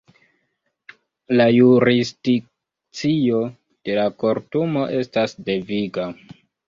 La jurisdikcio de la Kortumo estas deviga.